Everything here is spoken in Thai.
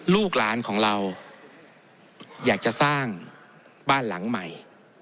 ลูกหลานของเราอยากจะสร้างบ้านหลังใหม่